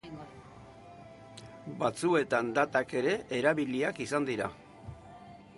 Batzuetan datak ere erabiliak izan dira.